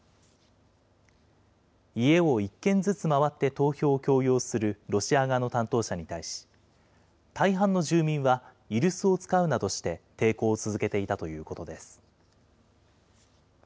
家を１軒ずつ回って投票を強要するロシア側の担当者に対し、大半の住民は居留守を使うなどして抵抗を続けていたということです。